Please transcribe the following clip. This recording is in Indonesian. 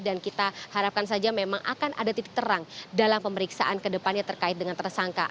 dan kita harapkan saja memang akan ada titik terang dalam pemeriksaan kedepannya terkait dengan tersangka